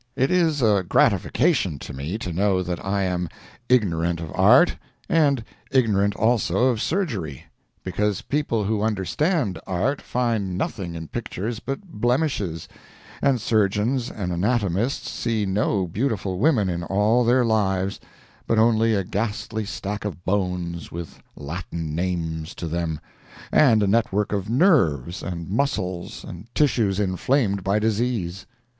It is a gratification to me to know that I am ignorant of art, and ignorant also of surgery. Because people who understand art find nothing in pictures but blemishes, and surgeons and anatomists see no beautiful women in all their lives, but only a ghastly stack of bones with Latin names to them, and a network of nerves and muscles and tissues inflamed by disease.